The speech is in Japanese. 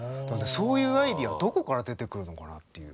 そういうアイデアどこから出てくるのかなっていう。